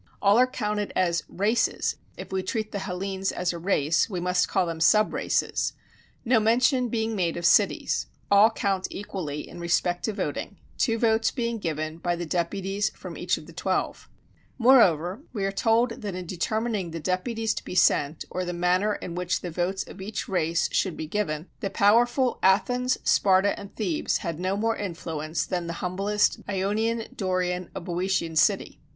All are counted as races (if we treat the Hellenes as a race, we must call these sub races), no mention being made of cities: all count equally in respect to voting, two votes being given by the deputies from each of the twelve: moreover, we are told that in determining the deputies to be sent or the manner in which the votes of each race should be given, the powerful Athens, Sparta, and Thebes had no more influence than the humblest Ionian, Dorian, or Boeotian city.